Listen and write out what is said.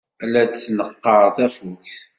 La d-tneqqer tafukt.